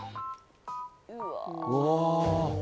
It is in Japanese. うわ！